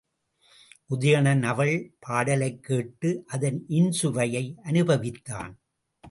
உதயணன் அவள் பாடலைக் கேட்டு, அதன் இன்சுவையை அநுபவித்தான்.